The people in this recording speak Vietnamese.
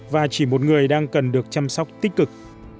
và chỉ một người đang cần được chăm sóc tích cực